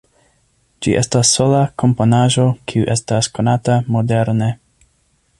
Ĝi estas sola komponaĵo kiu estas konata moderne.